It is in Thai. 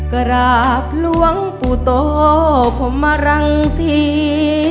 กราบหลวงปู่โตพรมรังศรี